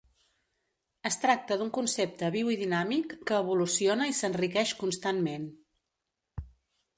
Es tracta d'un concepte viu i dinàmic, que evoluciona i s'enriqueix constantment.